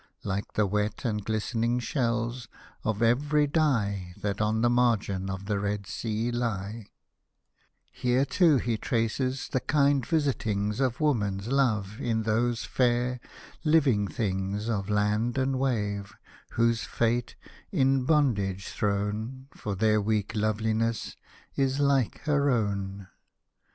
Like the wet, glistening shells, of every dye, That on the margin of the Red Sea lie. Hosted by Google THE VEILED PROPHET OF KHORASSAN 113 Here too he traces the kind visitings Of woman's love in those fair, living things Of land and wave, whose fate — in bondage thrown For their weak loveliness — is like her own